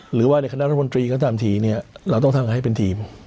หรือว่าในคณะรัฐมนตรีก็ตามทีเนี่ยเราต้องทำให้เป็นทีม